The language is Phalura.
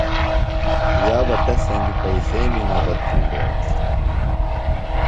یابہ تس سنگیۡ پئیسیمی مدت تھینڈیوۡ۔